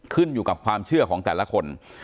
ขึ้นอยู่กับความเชื่อของแต่ละคน